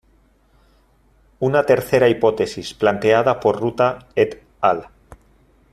Una tercera hipótesis, planteada por Ruta "et al.